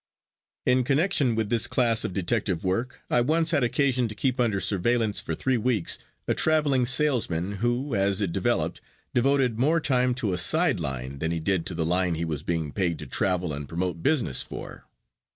In connection with this class of detective work, I once had occasion to keep under surveillance for three weeks a traveling salesman, who, as it developed, devoted more time to a side line than he did to the line he was being paid to travel and promote business for.